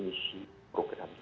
maka bukan seperti terapa harris